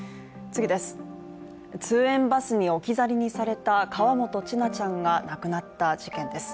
次です、通園バスに置き去りにされた河本千奈ちゃんが亡くなった事件です。